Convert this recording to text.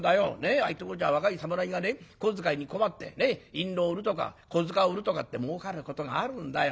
ああいうとこじゃ若い侍が小遣いに困って印籠売るとか小づか売るとかって儲かることがあるんだよ。